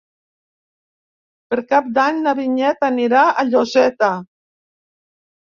Per Cap d'Any na Vinyet anirà a Lloseta.